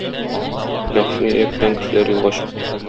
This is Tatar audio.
Яхшы ният белән кешеләр юлга чыкты.